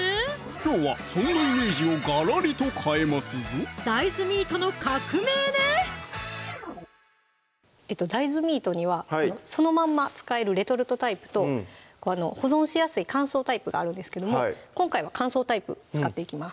きょうはそんなイメージをガラリと変えますぞ大豆ミートの革命ね大豆ミートにはそのまま使えるレトルトタイプと保存しやすい乾燥タイプがあるんですけども今回は乾燥タイプ使っていきます